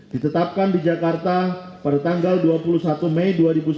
ditetapkan di jakarta pada tanggal dua puluh satu mei dua ribu sembilan belas